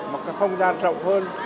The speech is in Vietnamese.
một cái không gian rộng hơn